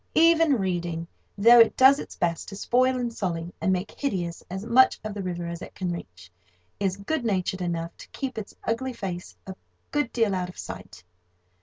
Even Reading, though it does its best to spoil and sully and make hideous as much of the river as it can reach, is good natured enough to keep its ugly face a good deal out of sight.